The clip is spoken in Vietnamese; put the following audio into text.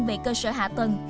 về cơ sở hạ tầng